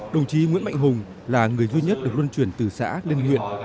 đồng chí nguyễn mạnh hùng là người duy nhất được luân chuyển từ xã lên huyện